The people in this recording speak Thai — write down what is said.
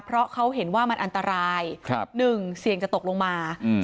เพราะเขาเห็นว่ามันอันตรายหนึ่งเสี่ยงจะตกลงมา